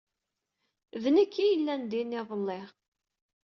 D nekk ay yellan din iḍelli.